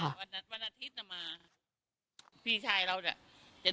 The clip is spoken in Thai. วันอาทิตย์น่ะมาพี่ชายเราจะเดินไปไม่ให้ไป